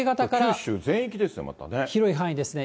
九州全域ですね、広い範囲ですね。